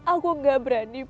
aku gak berani